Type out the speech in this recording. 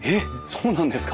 そうなんですか。